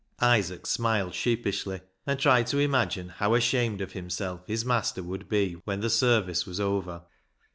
Isaac smiled sheepishly, and tried to imagine how ashamed of himself his master would be when the service was over.